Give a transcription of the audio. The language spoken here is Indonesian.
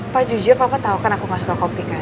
pak jujur papa tau kan aku gak suka kopi kan